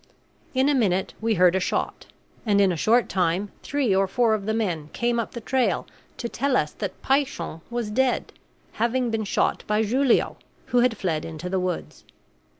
In a minute we heard a shot; and in a short time three or four of the men came up the trail to tell us that Paishon was dead, having been shot by Julio, who had fled into the woods.